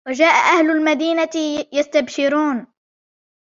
وَجَاءَ أَهْلُ الْمَدِينَةِ يَسْتَبْشِرُونَ